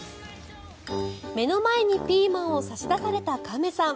目の前にピーマンを差し出された亀さん。